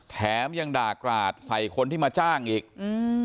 แถมยังด่ากราดใส่คนที่มาจ้างอีกอืม